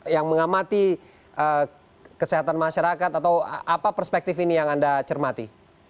yang mengamati kesehatan masyarakat atau apa perspektif ini yang anda cermati